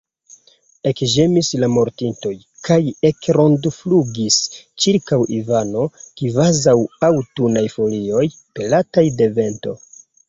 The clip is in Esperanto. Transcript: Ekĝemis la mortintoj kaj ekrondflugis ĉirkaŭ Ivano, kvazaŭ aŭtunaj folioj, pelataj de vento.